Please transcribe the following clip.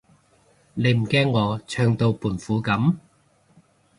你唔驚我唱到胖虎噉？